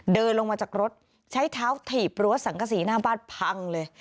เดินลงมาจากรถใช้เท้าถีบรั้วสังกษีหน้าบ้านพังเลย